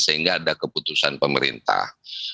sehingga ada keputusan pemerintah